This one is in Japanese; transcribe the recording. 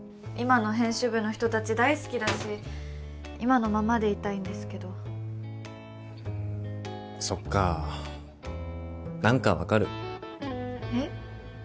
今の編集部の人達大好きだし今のままでいたいんですけどそっか何か分かるえっ？